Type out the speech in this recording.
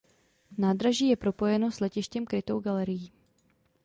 Nádraží je propojeno s letištěm krytou galerií.